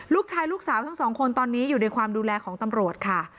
ลูกสาวลูกสาวทั้งสองคนตอนนี้อยู่ในความดูแลของตำรวจค่ะ